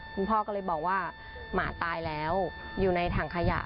คุณพ่อก็เลยบอกว่าหมาตายแล้วอยู่ในถังขยะ